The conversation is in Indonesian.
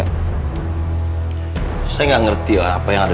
apa iya ada yang coba ngerjain aku